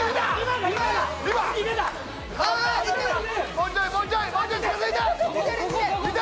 もうちょいもうちょいもうちょい近づいて！